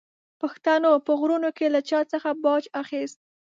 پښتنو په غرونو کې له چا څخه باج اخیست.